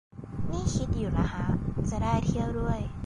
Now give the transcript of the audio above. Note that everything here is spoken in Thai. นี่คิดอยู่นะฮะ จะได้เที่ยวด้วย